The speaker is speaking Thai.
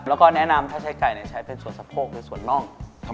แล้วก็แนะนำถ้าใช้ไก่แสดงมาใช้ส่วนซะโโภกเนื้อน่อง